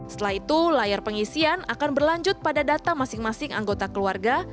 setelah itu layar pengisian akan berlanjut pada data masing masing anggota keluarga